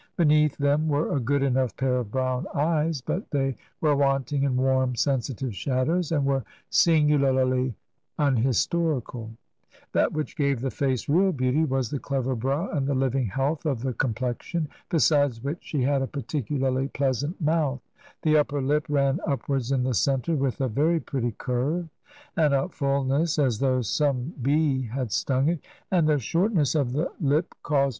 Beneath them were a good enough pair of brown eyes, but they were wanting in warm sensitive shadows, and were singu larly unhistorical. That which gave the face real beauty was the clever brow and the living health of the com plexion. Besides which she had a particularly pleasant ^ mouth ; the upper lip ran upwards in the centre with a Vaery pretty curve, and had a fulness as though " some bee* had stung it," and the shortness of the lip caused TRANSITION.